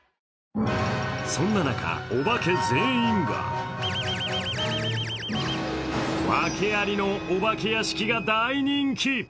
そんな中、お化け全員がワケアリのお化け屋敷が大人気。